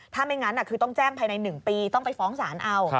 ถ้าไม่งั้นคือต้องแจ้งภายใน๑ปีต้องไปฟ้องศาลเอา